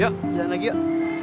yuk jalan lagi yuk